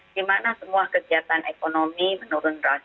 dimana semua kegiatan ekonomi menurun drastis